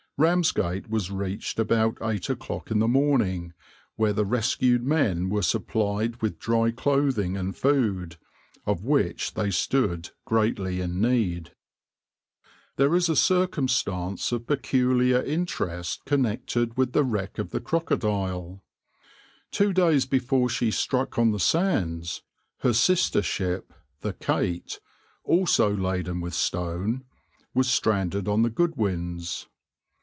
Ramsgate was reached about eight o'clock in the morning, where the rescued men were supplied with dry clothing and food, of which they stood greatly in need.\par There is a circumstance of peculiar interest connected with the wreck of the {\itshape{Crocodile}}. Two days before she struck on the sands, her sister ship, the {\itshape{Kate}}, also laden with stone, was stranded on the Goodwins.